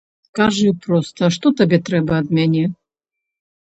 Кажы проста, што табе трэба ад мяне?